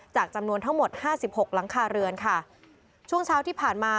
จำนวนทั้งหมดห้าสิบหกหลังคาเรือนค่ะช่วงเช้าที่ผ่านมา